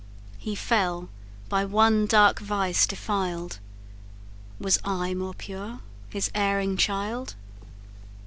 He fell by one dark vice defiled; Was I more pure his erring child?